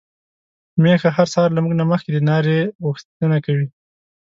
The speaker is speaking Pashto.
ميښه هر سهار له موږ نه مخکې د ناري غوښتنه کوي.